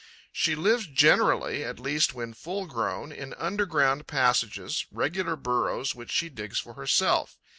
She lives generally at least when full grown in underground passages, regular burrows, which she digs for herself.